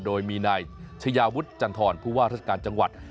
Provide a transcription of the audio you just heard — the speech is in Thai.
โดยมีนายชายาวุฒิจันทรผู้ว่าราชการจังหวัด